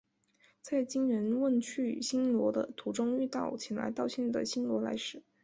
在金仁问去新罗的途中遇到前来道歉的新罗来使。